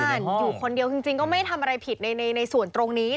อยู่คนเดียวจริงก็ไม่ได้ทำอะไรผิดในส่วนตรงนี้